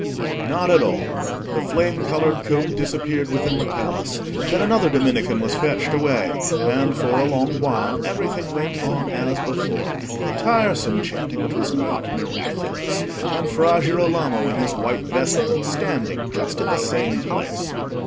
Not at all. The flame coloured cope disappeared within the Palace; then another Dominican was fetched away; and for a long while everything went on as before—the tiresome chanting, which was not miraculous, and Fra Girolamo in his white vestment standing just in the same place.